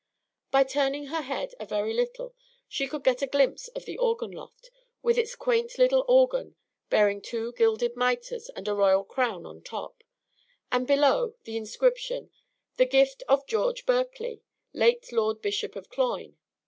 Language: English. By turning her head a very little she could get a glimpse of the organ loft, with its quaint little organ bearing two gilded mitres and a royal crown on top, and below, the inscription, "The Gift of George Berkeley, late Lord Bishop of Cloyne."